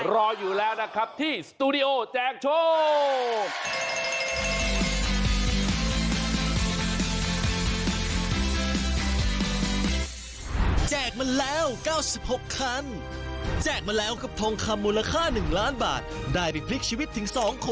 รออยู่แล้วนะครับที่สตูดิโอแจกโชค